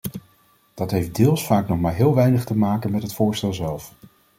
Dat heeft deels vaak nog maar heel weinig te maken met het voorstel zelf.